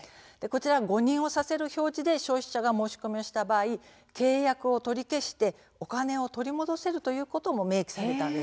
誤認をさせる表示で消費者が申し込みをした場合契約を取り消してお金を取り戻せることも明記されました。